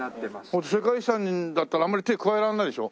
世界遺産だったらあんまり手加えらんないでしょ？